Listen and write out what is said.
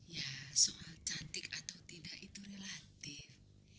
ya soal cantik atau tidak itu relatif